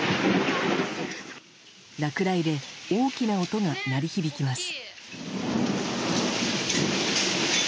落雷で大きな音が鳴り響きます。